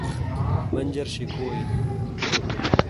منجر شی کو این؟